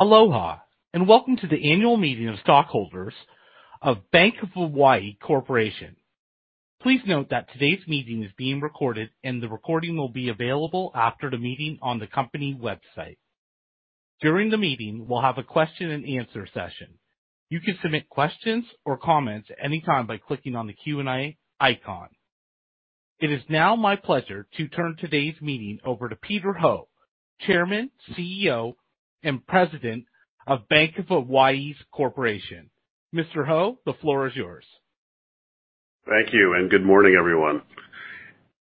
Aloha, and welcome to the Annual Meeting of Stockholders of Bank of Hawaii Corporation. Please note that today's meeting is being recorded, and the recording will be available after the meeting on the company website. During the meeting, we'll have a question and answer session. You can submit questions or comments anytime by clicking on the Q&A icon. It is now my pleasure to turn today's meeting over to Peter Ho, Chairman, CEO, and President of Bank of Hawaii Corporation. Mr. Ho, the floor is yours. Thank you, and good morning, everyone.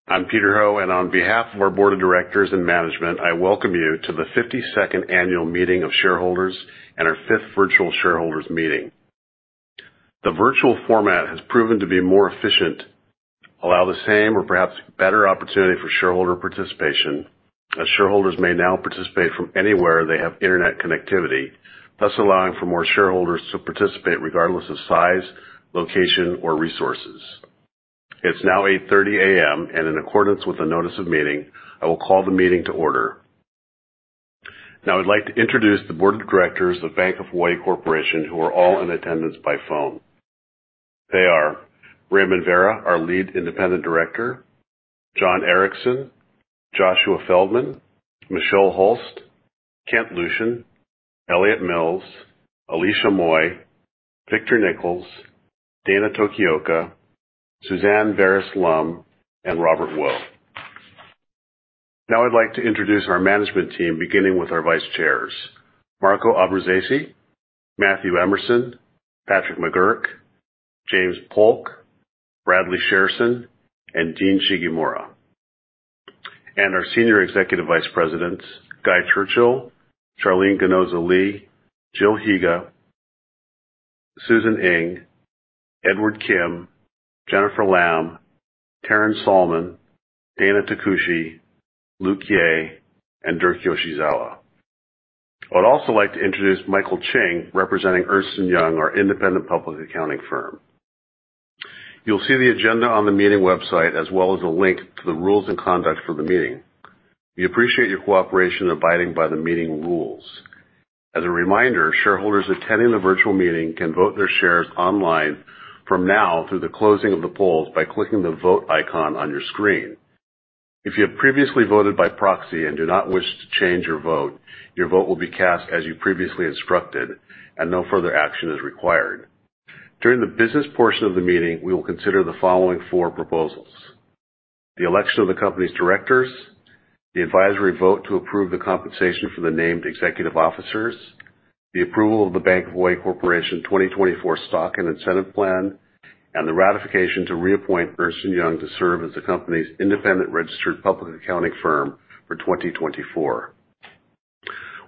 I'm Peter Ho, and on behalf of our board of directors and management, I welcome you to the 52nd annual meeting of shareholders and our 5th virtual shareholders meeting. The virtual format has proven to be more efficient, allow the same or perhaps better opportunity for shareholder participation, as shareholders may now participate from anywhere they have internet connectivity, thus allowing for more shareholders to participate regardless of size, location, or resources. It's now 8:30 A.M., and in accordance with the notice of meeting, I will call the meeting to order. Now, I'd like to introduce the board of directors of Bank of Hawaii Corporation, who are all in attendance by phone. They are Raymond Vara, our Lead Independent Director, John Erickson, Joshua Feldman, Michelle Hulst, Kent Lucien, Elliot Mills, Alicia Moy, Victor Nichols, Dana Tokioka, Suzanne Vares-Lum, and Robert Wo. Now, I'd like to introduce our management team, beginning with our Vice Chairs, Marco Abbruzzese, Matthew Emerson, Patrick McGuirk, James Polk, Bradley Shairson, and Dean Shigemura. Our Senior Executive Vice Presidents, Guy Churchill, Sharlene Ginoza-Lee, Jill Higa, Susan Ing, Edward Kim, Jennifer Lam, Taryn Salmon, Dana Takushi, Luke Yeh, and Dirk Yoshizawa. I would also like to introduce Michael Ching, representing Ernst & Young, our independent public accounting firm. You'll see the agenda on the meeting website, as well as a link to the rules and conduct for the meeting. We appreciate your cooperation in abiding by the meeting rules. As a reminder, shareholders attending the virtual meeting can vote their shares online from now through the closing of the polls by clicking the Vote icon on your screen. If you have previously voted by proxy and do not wish to change your vote, your vote will be cast as you previously instructed, and no further action is required. During the business portion of the meeting, we will consider the following four proposals: the election of the company's directors, the advisory vote to approve the compensation for the named executive officers, the approval of the Bank of Hawaii Corporation 2024 Stock and Incentive Plan, and the ratification to reappoint Ernst & Young to serve as the company's independent registered public accounting firm for 2024.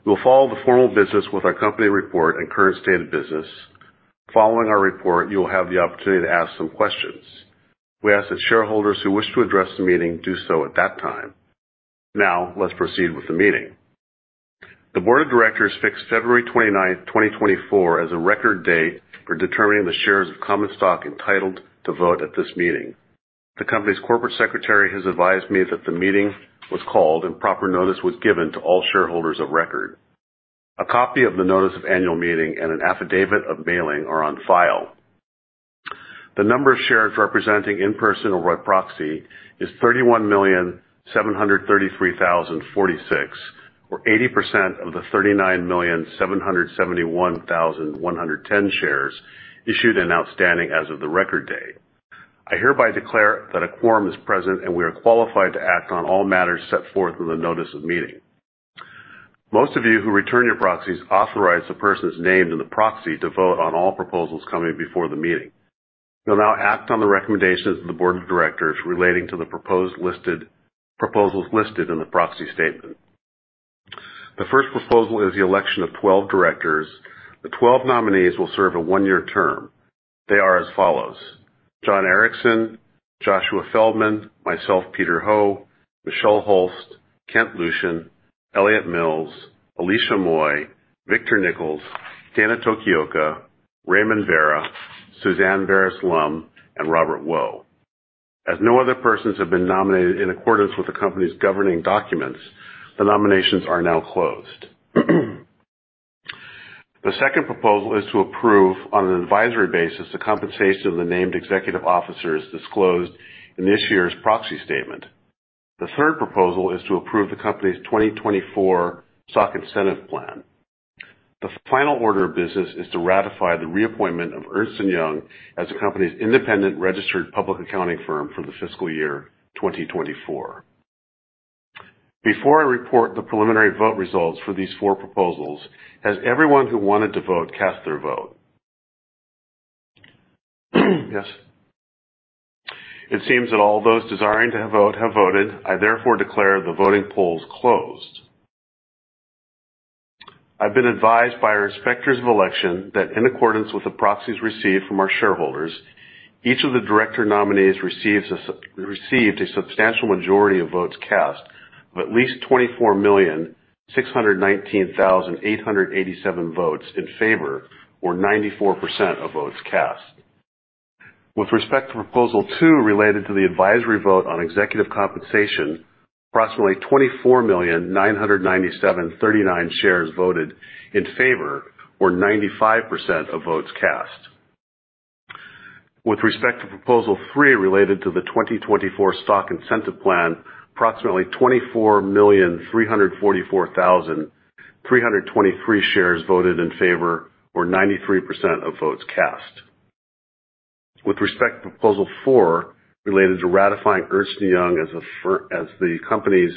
We will follow the formal business with our company report and current state of business. Following our report, you will have the opportunity to ask some questions. We ask that shareholders who wish to address the meeting do so at that time. Now, let's proceed with the meeting. The board of directors fixed February 29, 2024, as a record date for determining the shares of common stock entitled to vote at this meeting. The company's corporate secretary has advised me that the meeting was called and proper notice was given to all shareholders of record. A copy of the Notice of Annual Meeting and an Affidavit of Mailing are on file. The number of shares representing in person or by proxy is 31,733,046, or 80% of the 39,771,110 shares issued and outstanding as of the record date. I hereby declare that a quorum is present, and we are qualified to act on all matters set forth in the notice of meeting. Most of you who return your proxies authorize the persons named in the proxy to vote on all proposals coming before the meeting. We'll now act on the recommendations of the board of directors relating to the proposed proposals listed in the proxy statement. The first proposal is the election of 12 directors. The 12 nominees will serve a one-year term. They are as follows: John Erickson, Joshua Feldman, myself, Peter Ho, Michelle Hulst, Kent Lucien, Elliot Mills, Alicia Moy, Victor Nichols, Dana Tokioka, Raymond Vara, Suzanne Vares-Lum, and Robert Wo. As no other persons have been nominated in accordance with the company's governing documents, the nominations are now closed. The second proposal is to approve, on an advisory basis, the compensation of the named executive officers disclosed in this year's proxy statement. The third proposal is to approve the company's 2024 Stock Incentive Plan. The final order of business is to ratify the reappointment of Ernst & Young as the company's independent registered public accounting firm for the fiscal year 2024. Before I report the preliminary vote results for these four proposals, has everyone who wanted to vote, cast their vote? Yes. It seems that all those desiring to vote have voted. I therefore declare the voting polls closed. I've been advised by our inspectors of election that in accordance with the proxies received from our shareholders, each of the director nominees received a substantial majority of votes cast of at least 24,619,887 votes in favor or 94% of votes cast. With respect to Proposal Two related to the advisory vote on executive compensation, approximately 24,997,039 shares voted in favor, or 95% of votes cast. With respect to Proposal Three, related to the 2024 Stock Incentive Plan, approximately 24,344,323 shares voted in favor, or 93% of votes cast. With respect to Proposal Four, related to ratifying Ernst & Young as the company's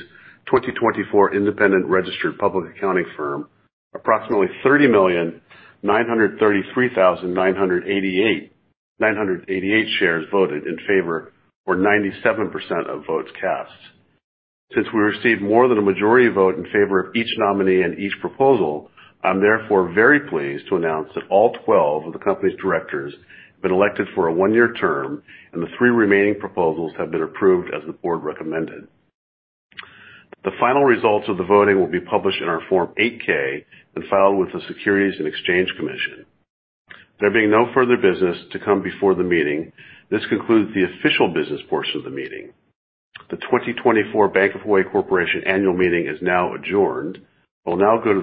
2024 independent registered public accounting firm, approximately 30,933,988 shares voted in favor, or 97% of votes cast. Since we received more than a majority vote in favor of each nominee and each proposal, I'm therefore very pleased to announce that all 12 of the company's directors have been elected for a one-year term, and the three remaining proposals have been approved as the board recommended. The final results of the voting will be published in our Form 8-K and filed with the Securities and Exchange Commission. There being no further business to come before the meeting, this concludes the official business portion of the meeting. The 2024 Bank of Hawaii Corporation Annual Meeting is now adjourned. We'll now go to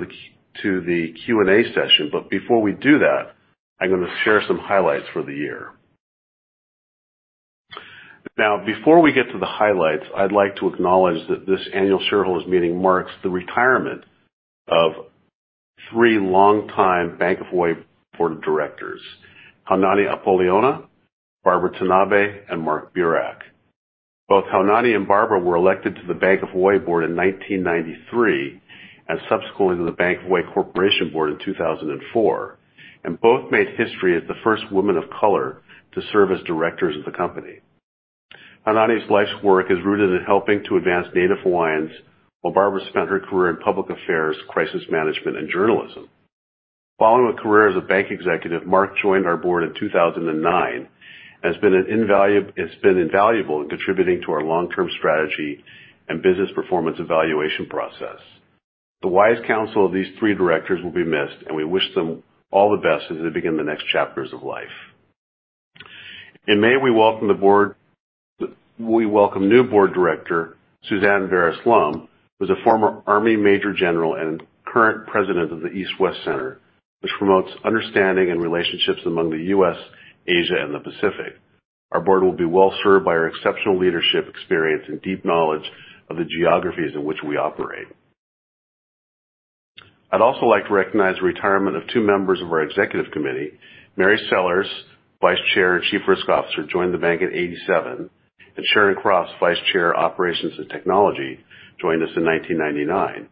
the Q&A session, but before we do that, I'm going to share some highlights for the year. Now, before we get to the highlights, I'd like to acknowledge that this annual shareholders meeting marks the retirement of three longtime Bank of Hawaii Board of Directors, Haunani Apoliona, Barbara Tanabe, and Mark Burak. Both Haunani and Barbara were elected to the Bank of Hawaii Board in 1993, and subsequently to the Bank of Hawaii Corporation Board in 2004. And both made history as the first women of color to serve as directors of the company. Haunani's life's work is rooted in helping to advance Native Hawaiians, while Barbara spent her career in public affairs, crisis management, and journalism. Following a career as a bank executive, Mark joined our board in 2009 and has been invaluable in contributing to our long-term strategy and business performance evaluation process. The wise counsel of these three directors will be missed, and we wish them all the best as they begin the next chapters of life. In May, we welcome new board director, Suzanne Vares-Lum, who's a former Army major general and current president of the East-West Center, which promotes understanding and relationships among the U.S., Asia, and the Pacific. Our board will be well served by her exceptional leadership experience and deep knowledge of the geographies in which we operate. I'd also like to recognize the retirement of two members of our executive committee. Mary Sellers, Vice Chair and Chief Risk Officer, joined the bank in 1987, and Sharon Crofts, Vice Chair, Operations and Technology, joined us in 1999.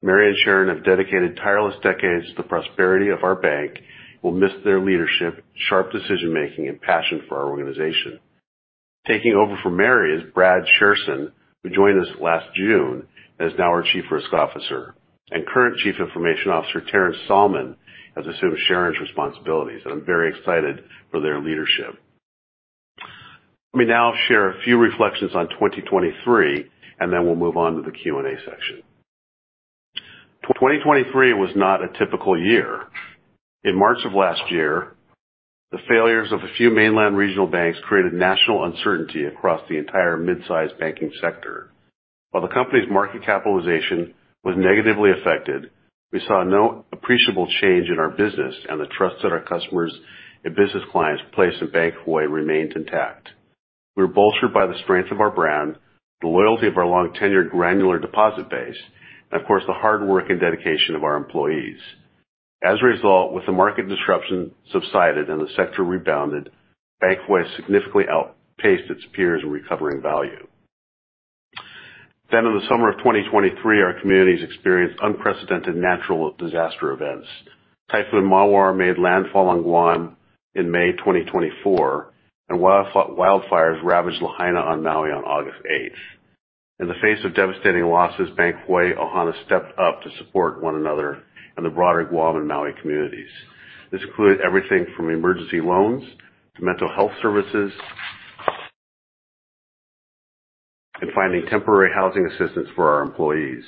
Mary and Sharon have dedicated tireless decades to the prosperity of our bank. We'll miss their leadership, sharp decision-making, and passion for our organization. Taking over for Mary is Brad Shairson, who joined us last June and is now our Chief Risk Officer. Current Chief Information Officer, Taryn Salmon, has assumed Sharon's responsibilities, and I'm very excited for their leadership. Let me now share a few reflections on 2023, and then we'll move on to the Q&A section. 2023 was not a typical year. In March of last year, the failures of a few mainland regional banks created national uncertainty across the entire mid-sized banking sector. While the company's market capitalization was negatively affected, we saw no appreciable change in our business and the trust that our customers and business clients placed in Bank of Hawaii remained intact. We were bolstered by the strength of our brand, the loyalty of our long-tenured granular deposit base, and of course, the hard work and dedication of our employees. As a result, with the market disruption subsided and the sector rebounded, Bank of Hawaii significantly outpaced its peers in recovering value. Then in the summer of 2023, our communities experienced unprecedented natural disaster events. Typhoon Mawar made landfall on Guam in May 2024, and wildfires ravaged Lahaina on Maui on August 8. In the face of devastating losses, Bank of Hawaii Ohana stepped up to support one another and the broader Guam and Maui communities. This included everything from emergency loans to mental health services and finding temporary housing assistance for our employees.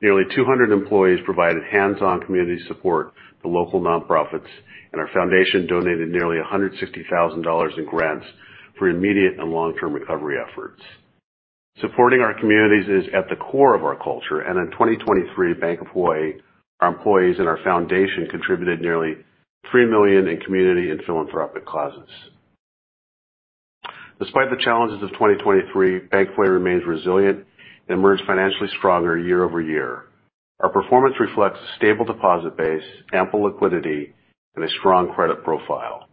Nearly 200 employees provided hands-on community support to local nonprofits, and our foundation donated nearly $160,000 in grants for immediate and long-term recovery efforts. Supporting our communities is at the core of our culture, and in 2023, Bank of Hawaii, our employees and our foundation contributed nearly $3 million in community and philanthropic causes. Despite the challenges of 2023, Bank of Hawaii remains resilient and emerged financially stronger year-over-year. Our performance reflects a stable deposit base, ample liquidity, and a strong credit profile.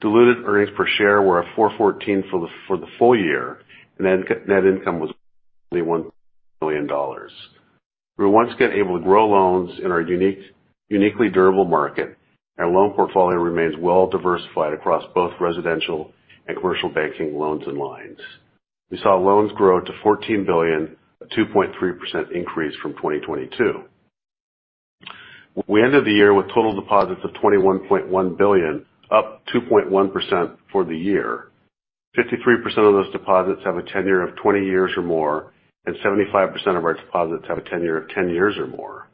Diluted earnings per share were at $4.14 for the full year, and net income was $1 billion. We were once again able to grow loans in our uniquely durable market. Our loan portfolio remains well diversified across both residential and commercial banking loans and lines. We saw loans grow to $14 billion, a 2.3% increase from 2022. We ended the year with total deposits of $21.1 billion, up 2.1% for the year. 53% of those deposits have a tenure of 20 years or more, and 75% of our deposits have a tenure of 10 years or more....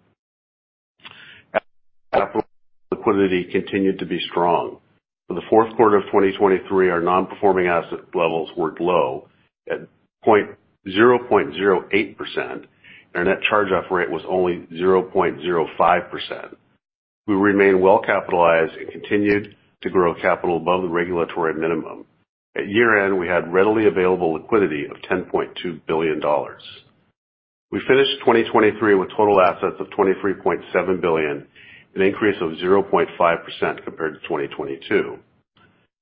Liquidity continued to be strong. For the fourth quarter of 2023, our non-performing asset levels were low at 0.08%, and our net charge-off rate was only 0.05%. We remain well capitalized and continued to grow capital above the regulatory minimum. At year-end, we had readily available liquidity of $10.2 billion. We finished 2023 with total assets of $23.7 billion, an increase of 0.5% compared to 2022.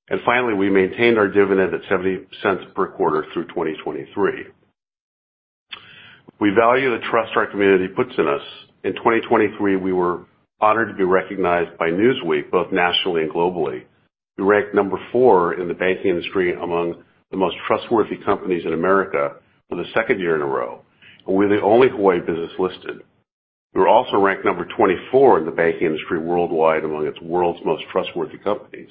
And finally, we maintained our dividend at $0.70 per quarter through 2023. We value the trust our community puts in us. In 2023, we were honored to be recognized by Newsweek, both nationally and globally. We ranked number 4 in the banking industry among the Most Trustworthy Companies in America for the second year in a row, and we're the only Hawaii business listed. We were also ranked number 24 in the banking industry worldwide among its World's Most Trustworthy Companies.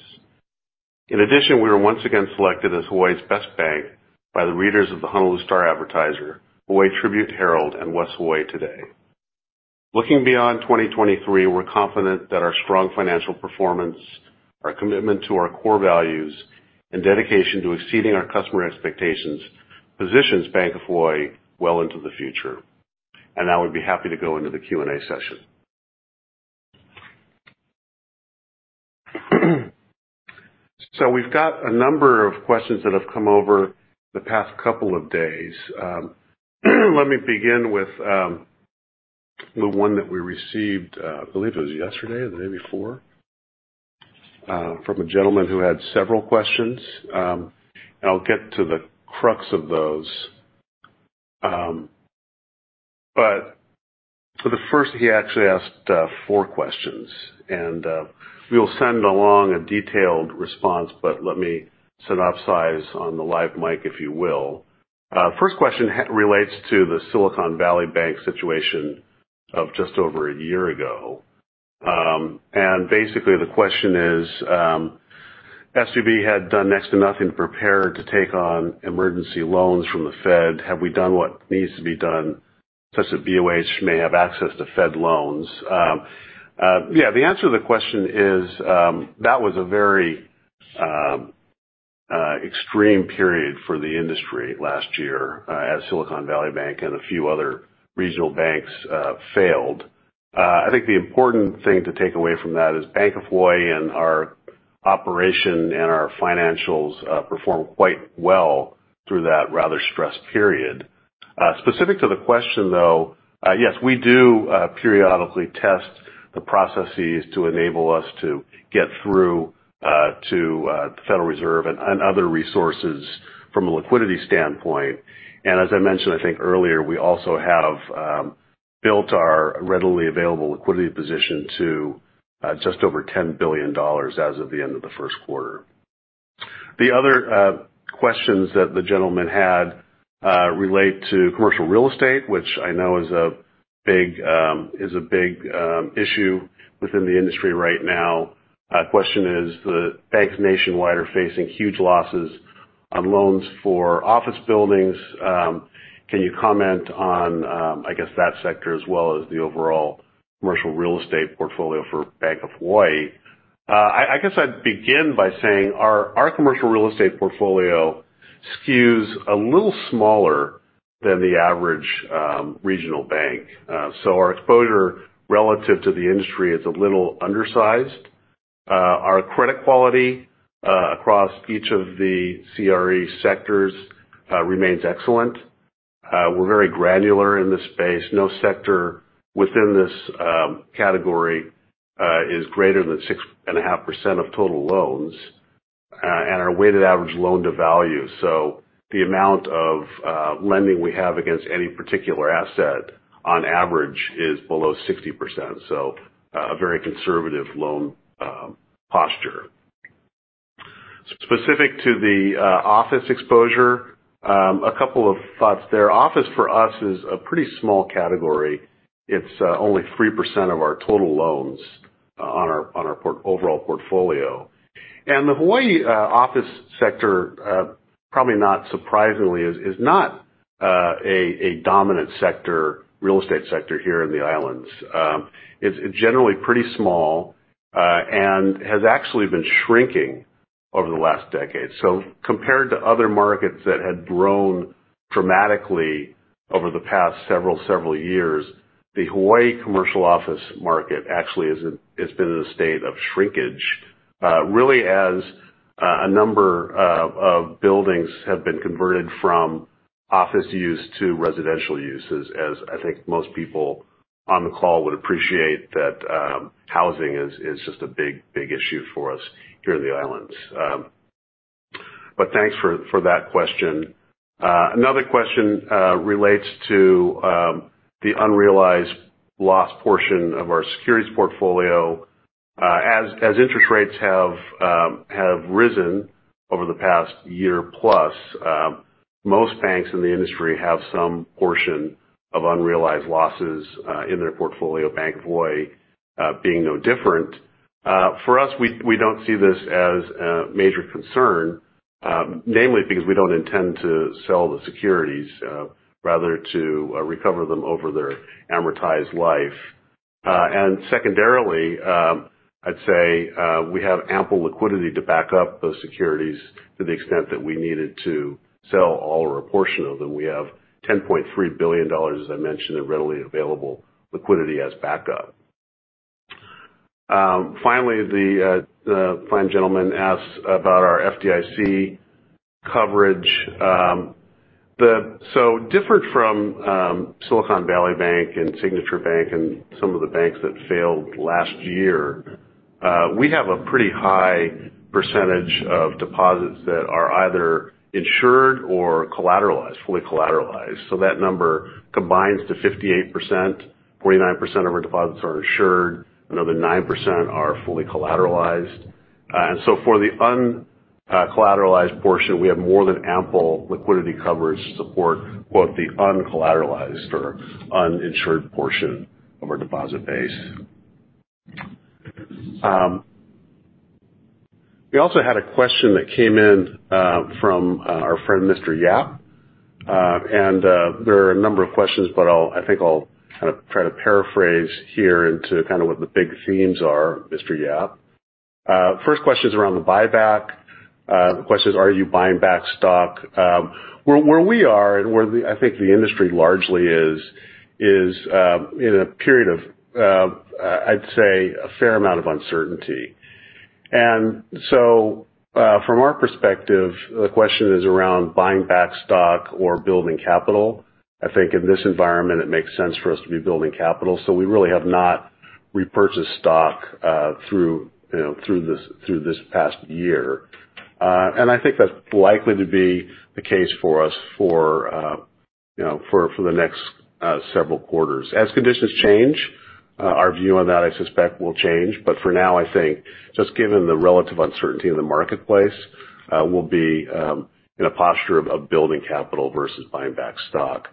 In addition, we were once again selected as Hawaii's Best Bank by the readers of the Honolulu Star-Advertiser, Hawaii Tribune-Herald, and West Hawaii Today. Looking beyond 2023, we're confident that our strong financial performance, our commitment to our core values, and dedication to exceeding our customer expectations, positions Bank of Hawaii well into the future. Now we'd be happy to go into the Q&A session. So we've got a number of questions that have come over the past couple of days. Let me begin with the one that we received, I believe it was yesterday or the day before, from a gentleman who had several questions. I'll get to the crux of those. But for the first, he actually asked four questions, and we'll send along a detailed response, but let me synopsize on the live mic, if you will. First question relates to the Silicon Valley Bank situation of just over a year ago. And basically, the question is, SVB had done next to nothing to prepare to take on emergency loans from the Fed. Have we done what needs to be done such that BOH may have access to Fed loans? Yeah, the answer to the question is that was a very extreme period for the industry last year as Silicon Valley Bank and a few other regional banks failed. I think the important thing to take away from that is Bank of Hawaii and our operation and our financials performed quite well through that rather stressed period. Specific to the question, though, yes, we do periodically test the processes to enable us to get through to the Federal Reserve and other resources from a liquidity standpoint. As I mentioned, I think earlier, we also have built our readily available liquidity position to just over $10 billion as of the end of the first quarter. The other questions that the gentleman had relate to commercial real estate, which I know is a big issue within the industry right now. Question is, the banks nationwide are facing huge losses on loans for office buildings. Can you comment on, I guess, that sector as well as the overall commercial real estate portfolio for Bank of Hawaii? I guess I'd begin by saying our commercial real estate portfolio skews a little smaller than the average regional bank. So our exposure relative to the industry is a little undersized. Our credit quality across each of the CRE sectors remains excellent. We're very granular in this space. No sector within this category is greater than 6.5% of total loans, and our weighted average loan-to-value. So the amount of lending we have against any particular asset, on average, is below 60%. So, a very conservative loan posture. Specific to the office exposure, a couple of thoughts there. Office for us is a pretty small category. It's only 3% of our total loans, on our overall portfolio. And the Hawaii office sector, probably not surprisingly, is not a dominant sector, real estate sector here in the islands. It's generally pretty small, and has actually been shrinking over the last decade. So compared to other markets that had grown dramatically over the past several years, the Hawaii commercial office market actually has been in a state of shrinkage, really as a number of buildings have been converted from office use to residential uses, as I think most people on the call would appreciate that, housing is just a big, big issue for us here in the islands. But thanks for that question. Another question relates to the unrealized loss portion of our securities portfolio. As interest rates have risen over the past year plus, most banks in the industry have some portion of unrealized losses in their portfolio, Bank of Hawaii being no different. For us, we don't see this as a major concern, mainly because we don't intend to sell the securities, rather to recover them over their amortized life. And secondarily, I'd say, we have ample liquidity to back up those securities to the extent that we needed to sell all or a portion of them. We have $10.3 billion, as I mentioned, in readily available liquidity as backup. Finally, the fine gentleman asks about our FDIC coverage. So different from Silicon Valley Bank and Signature Bank and some of the banks that failed last year, we have a pretty high percentage of deposits that are either insured or collateralized, fully collateralized. So that number combines to 58%. 49% of our deposits are insured, another 9% are fully collateralized. And so for the uncollateralized portion, we have more than ample liquidity coverage to support both the uncollateralized or uninsured portion of our deposit base. We also had a question that came in from our friend, Mr. Yap. And there are a number of questions, but I think I'll kind of try to paraphrase here into kind of what the big themes are, Mr. Yap. First question is around the buyback. The question is: Are you buying back stock? Where we are and where the, I think the industry largely is, is in a period of I'd say a fair amount of uncertainty. And so, from our perspective, the question is around buying back stock or building capital. I think in this environment, it makes sense for us to be building capital, so we really have not repurchased stock through you know through this past year. And I think that's likely to be the case for us, you know, for the next several quarters. As conditions change, our view on that, I suspect, will change, but for now, I think just given the relative uncertainty in the marketplace, we'll be in a posture of building capital versus buying back stock.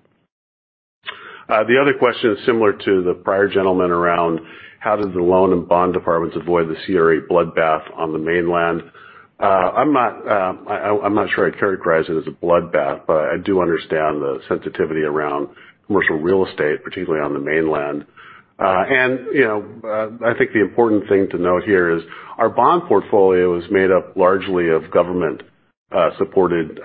The other question is similar to the prior gentleman around: How did the loan and bond departments avoid the CRE bloodbath on the mainland? I'm not sure I'd characterize it as a bloodbath, but I do understand the sensitivity around commercial real estate, particularly on the mainland. And, you know, I think the important thing to note here is our bond portfolio is made up largely of government supported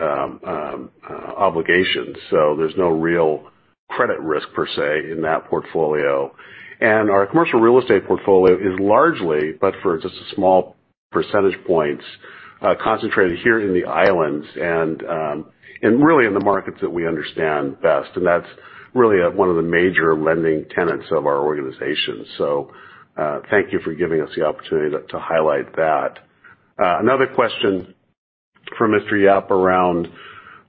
obligations. So there's no real credit risk per se in that portfolio. And our commercial real estate portfolio is largely, but for just a small percentage points, concentrated here in the islands and really in the markets that we understand best, and that's really one of the major lending tenets of our organization. So thank you for giving us the opportunity to highlight that. Another question from Mr. Yap around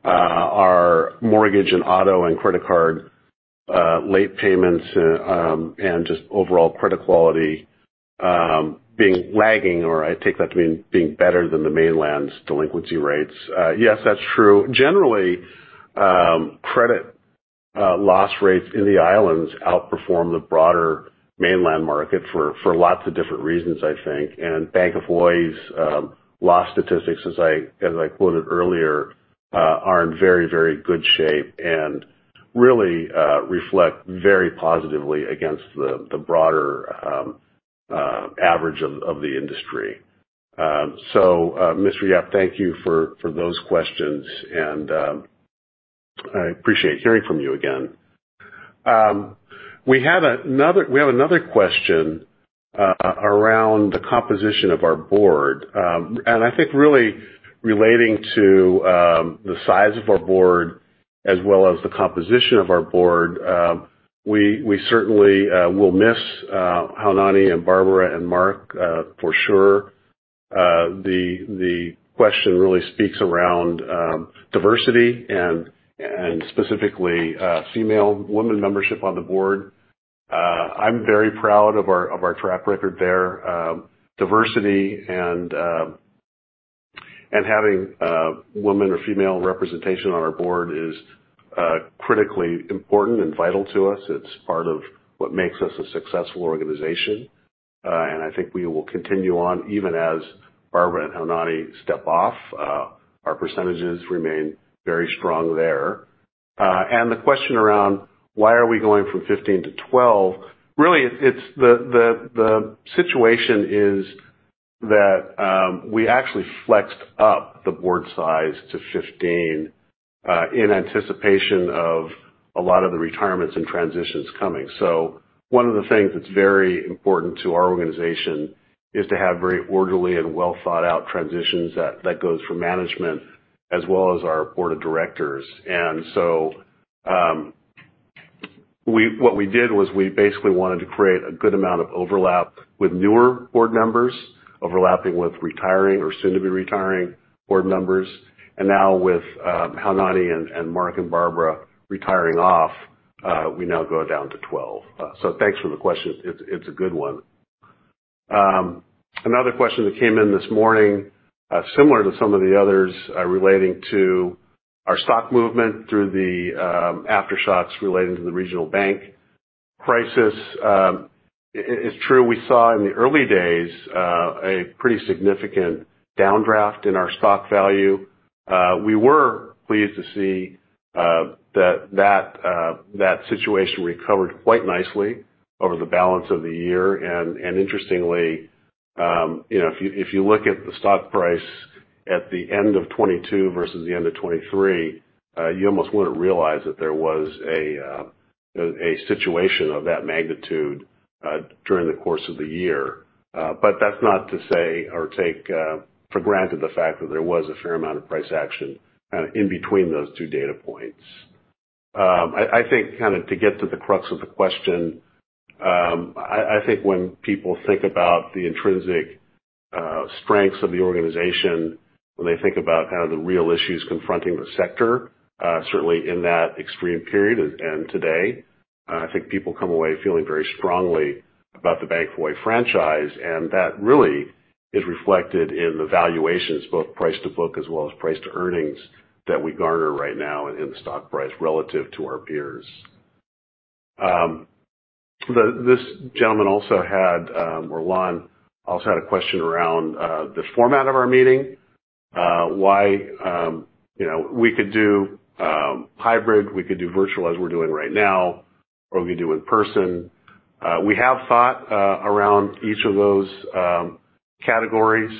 our mortgage and auto and credit card late payments and just overall credit quality being lagging, or I take that to mean being better than the mainland's delinquency rates. Yes, that's true. Generally, credit loss rates in the islands outperform the broader mainland market for lots of different reasons, I think. Bank of Hawaii's loss statistics, as I quoted earlier, are in very, very good shape and really reflect very positively against the broader average of the industry. So, Mr. Yap, thank you for those questions, and I appreciate hearing from you again. We have another question around the composition of our board. I think really relating to the size of our board as well as the composition of our board. We certainly will miss Haunani and Barbara and Mark for sure. The question really speaks around diversity and specifically female women membership on the board. I'm very proud of our, of our track record there. Diversity and, and having, women or female representation on our board is, critically important and vital to us. It's part of what makes us a successful organization. And I think we will continue on even as Barbara and Haunani step off. Our percentages remain very strong there. And the question around why are we going from 15 to 12? Really, it's, it's the, the, the situation is that, we actually flexed up the board size to 15, in anticipation of a lot of the retirements and transitions coming. So one of the things that's very important to our organization is to have very orderly and well-thought-out transitions that, that goes for management as well as our board of directors. What we did was we basically wanted to create a good amount of overlap with newer board members, overlapping with retiring or soon to be retiring board members. And now with Haunani and Mark and Barbara retiring off, we now go down to 12. So thanks for the question. It's a good one. Another question that came in this morning, similar to some of the others, relating to our stock movement through the aftershocks relating to the regional bank crisis. It's true, we saw in the early days a pretty significant downdraft in our stock value. We were pleased to see that situation recovered quite nicely over the balance of the year. Interestingly, you know, if you look at the stock price at the end of 2022 versus the end of 2023, you almost wouldn't realize that there was a situation of that magnitude during the course of the year. But that's not to say or take for granted the fact that there was a fair amount of price action in between those two data points. I think kind of to get to the crux of the question, I think when people think about the intrinsic strengths of the organization, when they think about kind of the real issues confronting the sector, certainly in that extreme period and today, I think people come away feeling very strongly about the Bank of Hawaii franchise, and that really is reflected in the valuations, both price to book as well as price to earnings, that we garner right now in the stock price relative to our peers. This gentleman also had, or Lon also had a question around the format of our meeting. Why, you know, we could do hybrid, we could do virtual as we're doing right now, or we could do in person. We have thought around each of those categories.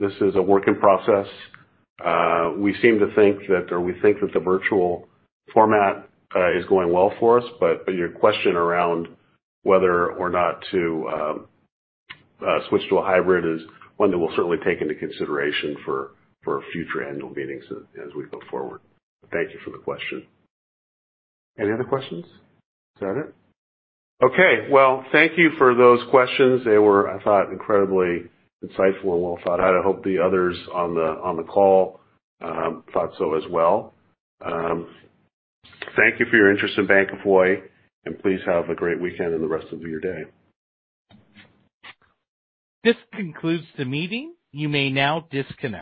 This is a work in process. We seem to think that or we think that the virtual format is going well for us, but your question around whether or not to switch to a hybrid is one that we'll certainly take into consideration for future annual meetings as we go forward. Thank you for the question. Any other questions? Is that it? Okay, well, thank you for those questions. They were, I thought, incredibly insightful and well thought out. I hope the others on the call thought so as well. Thank you for your interest in Bank of Hawaii, and please have a great weekend and the rest of your day. This concludes the meeting. You may now disconnect.